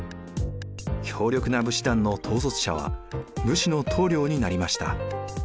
強力な武士団の統率者は武士の棟梁になりました。